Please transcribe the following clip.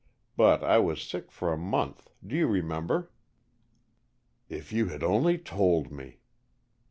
But I was sick for a month, do you remember?" "If you had only told me!"